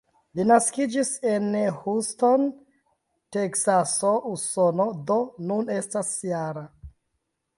Li naskiĝis en Houston, Teksaso, Usono, do nun estas -jara.